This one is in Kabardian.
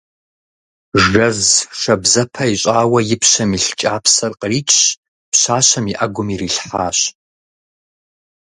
Жэз шабзэпэ ищӀауэ и пщэм илъ кӀапсэр къричщ, пщащэм и Ӏэгум ирилъхьащ.